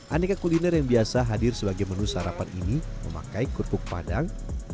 aneka kuliner yang biasa hadir sebagai menu sarapan ini memakai kerupuk padang